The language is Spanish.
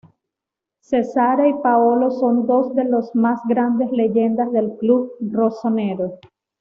Cesare y Paolo son dos de las más grandes leyendas del club "rossonero".